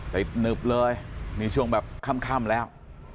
ติดนึบเลยมีช่วงแบบค่ำคร่ำแล้ว